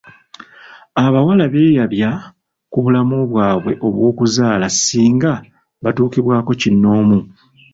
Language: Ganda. Abawala beyabya ku bulamu bwabwe obw'okuzaala singa batuukibwako kinnoomu.